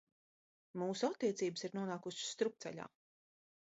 Mūsu attiecības ir nonākušas strupceļā!